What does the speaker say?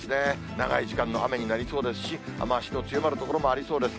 長い時間の雨になりそうですし、雨足の強まる所もありそうです。